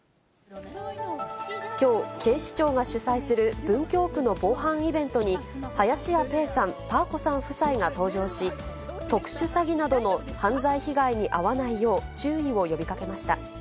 きょう、警視庁が主催する文京区の防犯イベントに、林家ペーさん、パー子さん夫妻が登場し、特殊詐欺などの犯罪被害に遭わないよう注意を呼びかけました。